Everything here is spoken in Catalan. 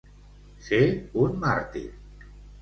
Ser un màrtir.